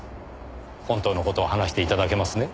本当の事を話して頂けますね？